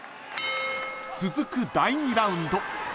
［続く第２ラウンド］